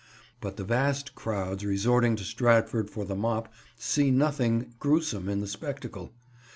But the vast crowds resorting to Stratford for the Mop see nothing gruesome in the spectacle.